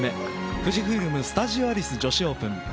富士フイルム・スタジオアリス女子オープン。